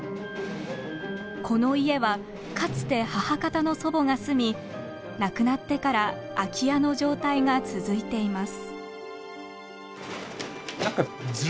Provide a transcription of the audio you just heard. この家はかつて母方の祖母が住み亡くなってから空き家の状態が続いています。